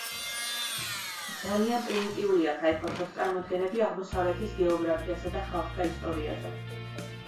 ძალიან პრიმიტიულია ქაიხოსროს წარმოდგენები აღმოსავლეთის გეოგრაფიასა და ხალხთა ისტორიაზე.